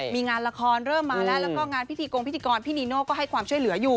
มีงานละครเริ่มมาแล้วก็งานพิถีกรนีโน่ให้ความช่วยเหลืออยู่